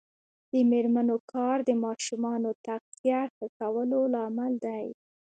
د میرمنو کار د ماشومانو تغذیه ښه کولو لامل دی.